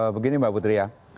begini mbak putri ya